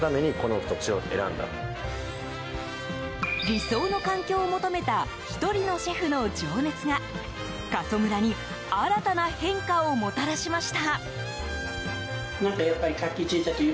理想の環境を求めた１人のシェフの情熱が過疎村に新たな変化をもたらしました。